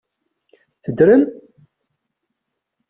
Teddrem?